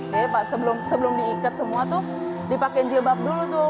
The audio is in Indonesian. jadi sebelum diikat semua tuh dipakai jilbab dulu tuh